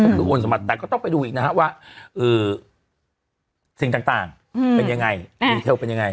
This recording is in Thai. ก็คือโอนสมบัติแต่ก็ต้องไปดูอีกนะฮะว่าสิ่งต่างเป็นยังไงดีเทลเป็นยังไง